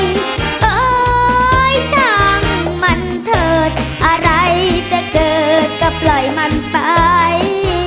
เอ้ยช่างมันเถิดอะไรจะเกิดก็ปล่อยมันไป